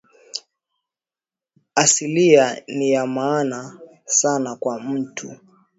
Asilia niya maana sana kwa muntu